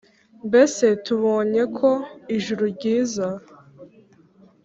mbese tubonye ko ijuru ryiza